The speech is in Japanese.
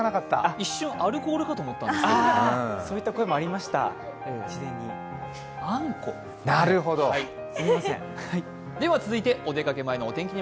一瞬、アルコールかと思ったそういった声もありました、事前に。